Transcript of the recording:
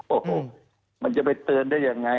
โอ้โหมันจะไปเตือนได้ยังไง